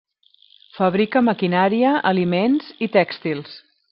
Fabrica maquinària, aliments i tèxtils.